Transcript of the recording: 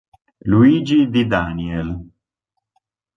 Luigi Di Daniel.